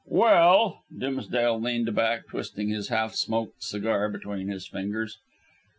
"Well," Dimsdale leaned back, twisting his half smoked cigar between his fingers.